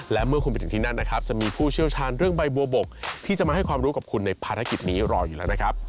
และเมื่อคุณไปถึงที่นั่นนะครับจะมีผู้เชี่ยวชาญเรื่องใบบัวบกที่จะมาให้ความรู้กับคุณในภารกิจนี้รออยู่แล้วนะครับ